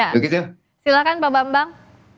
ya silakan pak bambang